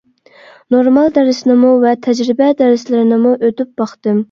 نورمال دەرسنىمۇ، ۋە تەجرىبە دەرسلىرىنىمۇ ئۆتۈپ باقتىم.